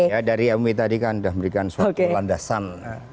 ya dari mui tadi kan sudah memberikan suatu landasan